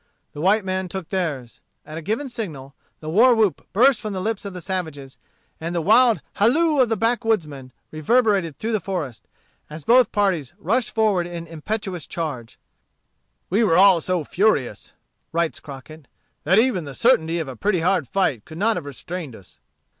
The white men took theirs. At a given signal, the war whoop burst from the lips of the savages, and the wild halloo of the backwoodsmen reverberated through the forest, as both parties rushed forward in the impetuous charge. "We were all so furious," writes Crockett, "that even the certainty of a pretty hard fight could not have restrained us."